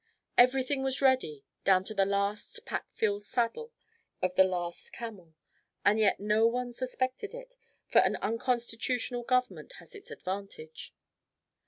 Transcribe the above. Everything was ready, down to the last pack saddle of the last camel, and yet no one suspected it, for an unconstitutional Government has its advantage.